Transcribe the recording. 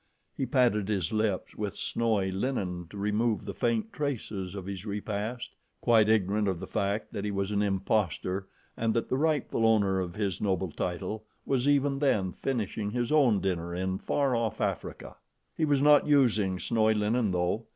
He patted his lips with snowy linen to remove the faint traces of his repast, quite ignorant of the fact that he was an impostor and that the rightful owner of his noble title was even then finishing his own dinner in far off Africa. He was not using snowy linen, though.